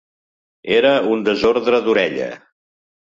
Era un desordre d'orella.